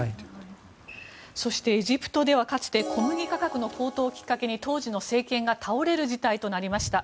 エジプトではかつて小麦価格の高騰をきっかけに倒れる事態となりました。